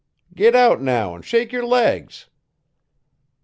Git out now an' shake yer legs.'